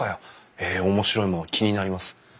へえ面白いもの気になります！